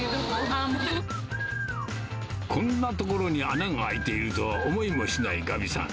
こんな所に穴が開いているとは思いもしないガビさん。